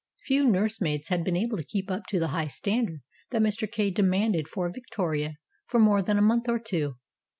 Few nursemaids had been able to keep up to the high standard that Mr. Kay demanded for Victoria for more than a month or two.